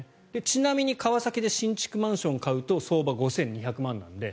ちなみに川崎で新築マンションを買うと相場５２００万円なんで